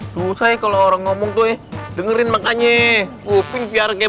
terus eh kalau orang ngomong tuh dengerin makanya kuping biar kayak